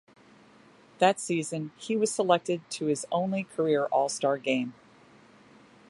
That season, he was selected to his only career All-Star Game.